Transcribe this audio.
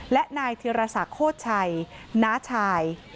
และนายธิรษักโคตรชัยน้าชาย